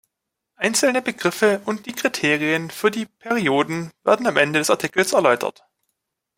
Einzelne Begriffe und die Kriterien für die Perioden werden am Ende des Artikels erläutert.